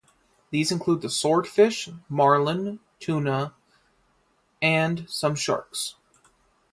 These include the swordfish, marlin, tuna, and some sharks.